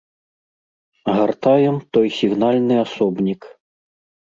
Гартаем той сігнальны асобнік.